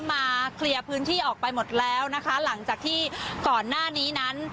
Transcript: มาเคลียร์พื้นที่ออกไปหมดแล้วนะคะหลังจากที่ก่อนหน้านี้นั้น